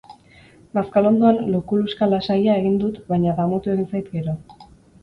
Bazkalondoan lo-kuluxka lasaia egin dut baina damutu egin zait gero.